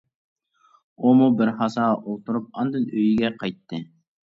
ئۇمۇ بىر ھازا ئولتۇرۇپ ئالدىن ئۆيىگە قايتتى.